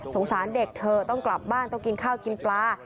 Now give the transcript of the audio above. สารเด็กเธอต้องกลับบ้านต้องกินข้าวกินปลา